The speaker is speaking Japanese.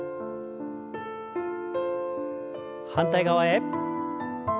反対側へ。